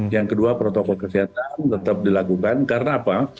yang kedua protokol kesehatan tetap dilakukan karena apa